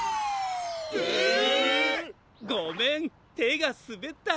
ごめんてがすべった！